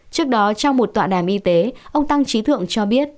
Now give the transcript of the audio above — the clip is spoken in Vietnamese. trước đó trong một tọa đàm y tế ông tăng trí thượng cho biết